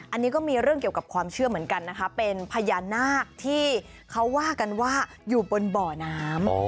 อันนี้ก็มีเรื่องเกี่ยวกับความเชื่อเหมือนกันนะคะเป็นพญานาคที่เขาว่ากันว่าอยู่บนบ่อน้ำ